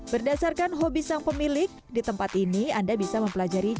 berdasarkan hobi sang pemilik di tempat ini anda bisa mempelajari